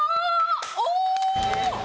お！